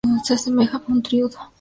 Se asemeja a un triodo.